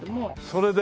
それで。